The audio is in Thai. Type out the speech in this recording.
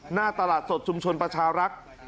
หน้าตลาดสดชุมชนประชารักษ์